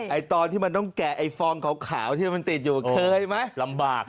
ตอนที่มันต้องแกะไอ้ฟองขาวที่มันติดอยู่เคยไหมลำบาก